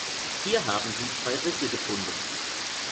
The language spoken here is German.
Hier haben sie zwei Risse gefunden.